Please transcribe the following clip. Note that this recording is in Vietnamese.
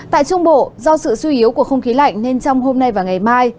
tại trung bộ do sự suy yếu của không khí lạnh nên trong hôm nay và ngày mai